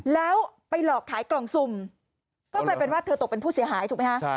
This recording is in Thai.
แล้วไปหลอกขายกล่องสุ่มก็กลายเป็นว่าเธอตกเป็นผู้เสียหายถูกไหมฮะ